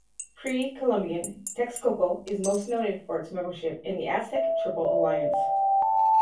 Pre-Columbian Texcoco is most noted for its membership in the Aztec Triple Alliance.